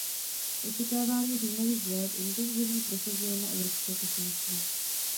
V očekávání říjnových voleb intenzivně prosazujeme evropské poselství.